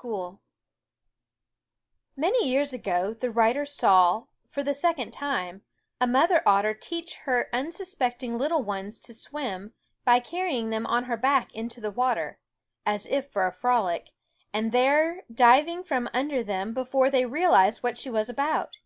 323 349 V i* years ago the writer saw, for the second time, a mother otter teach her* unsuspecting little ones to swim by carrying them on her back into the water, as if for a frolic, and there diving from under them before they realized what she was about.